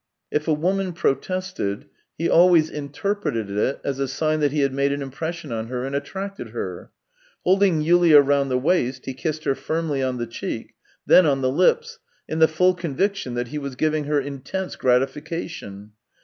If a woman protested he always interpreted it as a sign that he had made an impression on her and attracted her. Holding Yulia round the waist, he kissed her firmly on the cheek, then on the lips, in the full conviction that he was giving her intense gratification.